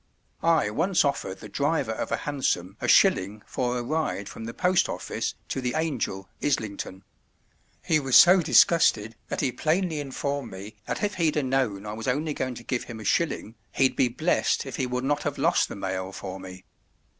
I once offered the driver of a Hansom a shilling for a ride from the Post Office to the Angel, Islington; he was so disgusted that he plainly informed me that if he'd a known I was only going to give him a shilling, he'd be blessed if he would not have lost the mail for me.